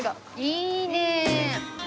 いいねえ。